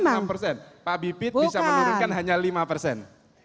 bukan enam persen pak bibit bisa menurunkan hanya lima persen